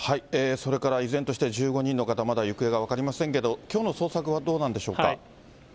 それから依然として１５人の方、まだ行方が分かりませんけれども、きょうの捜索はどうなんでしょうか。